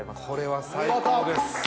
これは最高です。